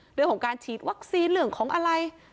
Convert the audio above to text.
เรื่องของการฉีดวัคซีนเรื่องของอะไร